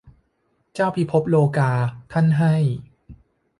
เจ้าพิภพโลกา ท่านให้